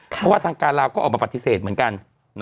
เพราะว่าทางการลาวก็ออกมาปฏิเสธเหมือนกัน